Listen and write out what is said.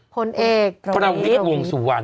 คนเอกประวัติธรรมนิสต์วงสุวรรณค่ะ